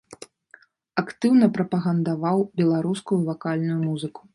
Актыўна прапагандаваў беларускую вакальную музыку.